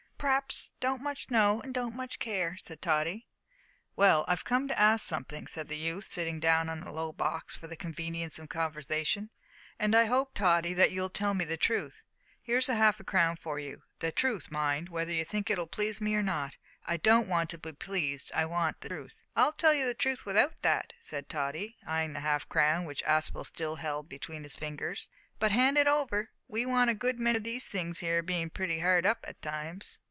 "P'r'aps. Don't much know, and don't much care," said Tottie. "Well, I've come to ask something," said the youth, sitting down on a low box for the convenience of conversation, "and I hope, Tottie, that you'll tell me the truth. Here's a half crown for you. The truth, mind, whether you think it will please me or not; I don't want to be pleased I want the truth." "I'd tell you the truth without that," said Tottie, eyeing the half crown which Aspel still held between his fingers, "but hand it over. We want a good many o' these things here, bein' pretty hard up at times."